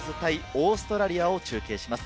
オーストラリアを中継します。